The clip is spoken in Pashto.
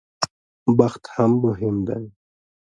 بخت هم مهم دی.